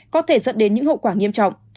có thể dẫn đến những hậu quả nghiêm trọng